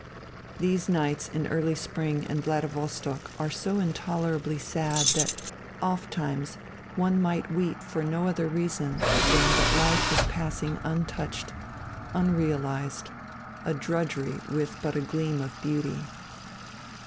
These nights in early spring in Vladivostok are so intolerably sad that oft times one might weep for no other reason than that life was passing untouched, unrealized, a drudgery with but a gleam of beauty